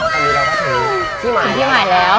อันนี้แล้วก็คือสิ่งที่หมายแล้ว